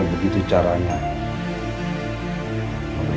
oh begitu caranya